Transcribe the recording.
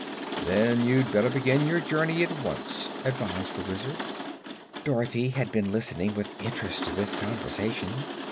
"Then you'd better begin your journey at once," advised the Wizard. Dorothy had been listening with interest to this conversation.